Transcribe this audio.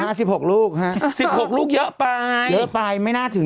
โทษทีน้องโทษทีน้อง